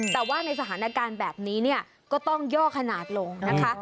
แต่ว่าในสถานการณ์แบบนี้เนี่ยก็ต้องย่อขนาดลงนะคะ